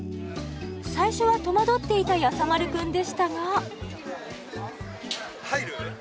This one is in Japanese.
最初は戸惑っていたやさ丸くんでしたが・入る？